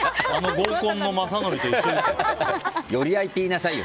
合コンの雅紀と一緒ですよ。